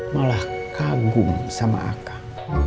malah kagum sama akan